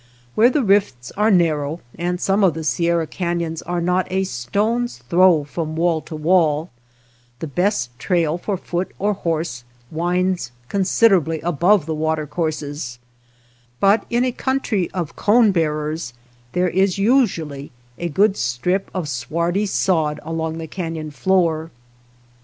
Where the rifts are narrow, and some of the Sierra canons are not a stone's throw from wall to wall, the best trail for foot or horse winds considerably above the watercourses ; but in a country of cone bearers there is usually a good strip of swardy sod along 189 THE STREETS OF THE MOUNTAINS the canon floor.